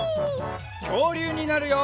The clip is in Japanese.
きょうりゅうになるよ！